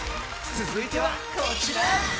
続いてはこちら。